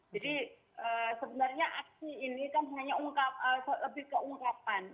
jadi sebenarnya aksi ini kan hanya lebih keungkapan